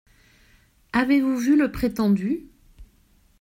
Avez-vous vu le prétendu ?